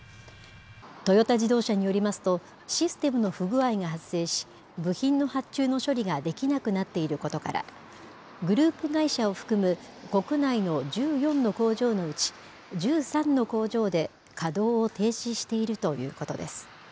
トヨタ自動車によりますと、システムの不具合が発生し、部品の発注の処理ができなくなっていることから、グループ会社を含む国内の１４の工場のうち、１３の工場で稼働を停止しているということです。